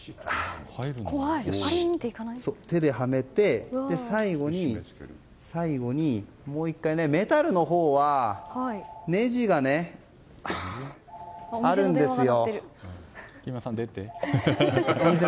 手ではめて、最後にもう１回メタルのほうはねじがあるんですよ。